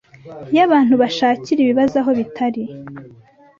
y'abantu bashakira ibibazo aho bitari.